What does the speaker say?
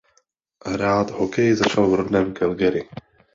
Hrát hokej začal v rodném Calgary.